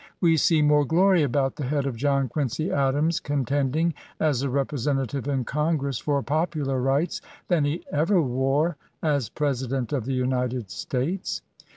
We see more glory about the head of John Quincy Adams contending, as a Representative in Congress, for popular rights, than he ever wore as President of the United States.